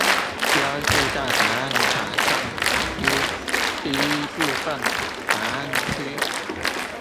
標示在答案卡上之第一部分答案區